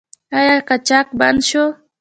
آیا قاچاق بند شوی؟